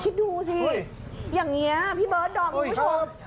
คิดดูสิเฮ้ยเห้ยอย่างเงี้ยพี่เบิร์ทดอร์มครูผู้ชมเอ้ยเขิน